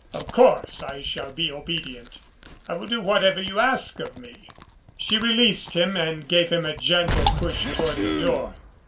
Of course, I shall be obedient. I will do whatever you ask of me." She released him and gave him a gentle push toward the door.